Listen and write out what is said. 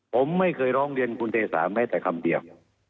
ผมไม่เคยร้องเรียนคุณเทสาแม้แต่คำเดียว